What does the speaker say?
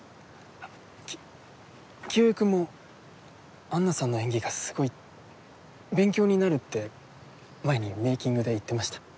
き清居君も安奈さんの演技がすごい勉強になるって前にメイキングで言ってました。